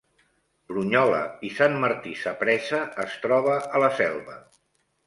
Brunyola i Sant Martí Sapresa es troba a la Selva